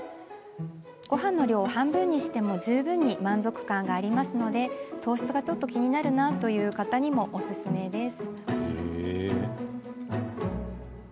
ごはんの量を半分にしても十分に満足感がありますので糖質が気になる方にもおすすめです。